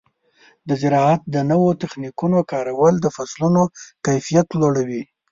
د زراعت د نوو تخنیکونو کارول د فصلونو کیفیت لوړوي.